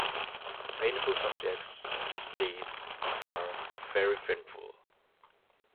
Painful subjects, these, sir, very painful.